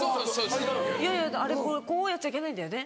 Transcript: ・灰だらけ・あれこうやっちゃいけないんだよね。